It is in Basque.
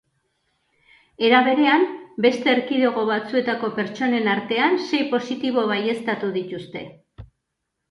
Era berean, beste erkidego batzuetako pertsonen artean sei positibo baieztatu dituzte.